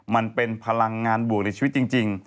มันเป็นพลังงานบวกในชีวิตจริง